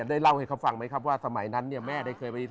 ได้เล่าให้เขาฟังไหมครับว่าสมัยนั้นแม่ได้เคยบริษัท